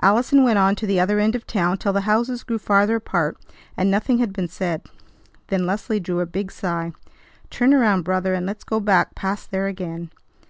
Allison went on to the other end of town till the houses grew farther apart, and nothing had been said. Then Leslie drew a big sigh. "Turn around, brother, and let's go back past there again."